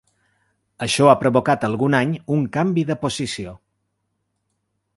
Això ha provocat algun any un canvi de posició.